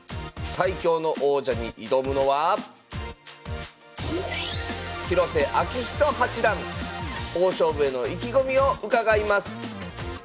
最強の王者に挑むのは大勝負への意気込みを伺います